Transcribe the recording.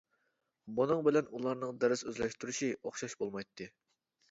بۇنىڭ بىلەن ئۇلارنىڭ دەرس ئۆزلەشتۈرۈشى ئوخشاش بولمايتتى.